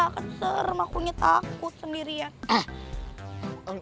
kan serem akunya takut sendirian